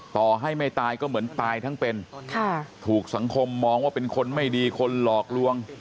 ต่อให้ไม่ตายก็เหมือนตายทั้งเป็นถูกสังคมมองว่าเป็นคนไม่ดีคนหลอกลวง